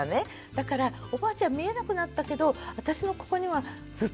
「だからおばあちゃん見えなくなったけど私のここにはずっといる気がする」とか